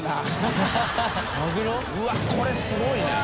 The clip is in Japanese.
うわっこれすごいね。